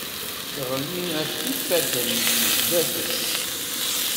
Teɣli ɣef yifadden zzat-s.